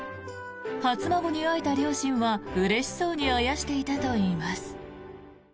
初孫に会えた両親はうれしそうにあやしていたといいます。